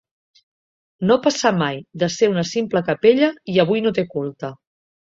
No passà mai de ser una simple capella i avui no té culte.